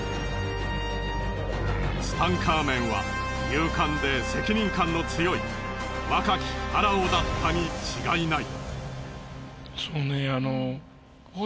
ツタンカーメンは勇敢で責任感の強い若きファラオだったに違いない。